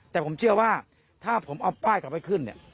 แต่ผมเชื่อว่าถ้าผมเอาป้ายกลับไปขึ้นเนี่ย